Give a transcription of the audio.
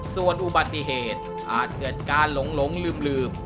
ส่วนอุบัติเหตุอาจเกิดการหลงลืม